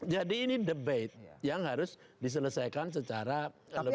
jadi ini debate yang harus diselesaikan secara lebih rasional